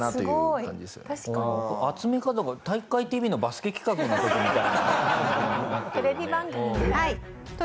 集め方が『体育会ＴＶ』のバスケ企画の時みたいな感じになってるよね。